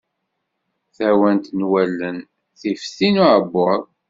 Tawant n wallen, tif tin uɛebbuḍ.